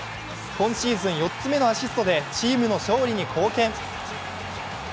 今シーズン４つ目のアシストでチームの勝利に貢献。